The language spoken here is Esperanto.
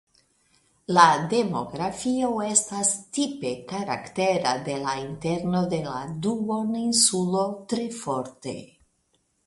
La demografio estas tipe karaktera de la interno de la duoninsulo tre forte.